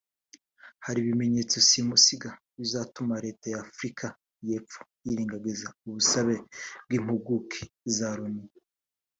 Hari ibimenyetso simusiga bitazatuma leta ya Afurika y’epfo yirengagiza ubusabe bw’impuguke za Loni